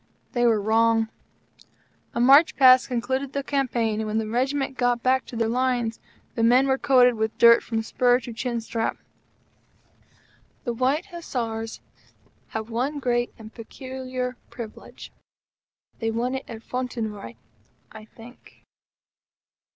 They were wrong. A march past concluded the campaign, and when the Regiment got back to their Lines, the men were coated with dirt from spur to chin strap. The White Hussars have one great and peculiar privilege. They won it at Fontenoy, I think.